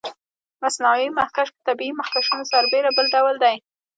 مصنوعي مخکش پر طبیعي مخکشونو سربېره بل ډول دی.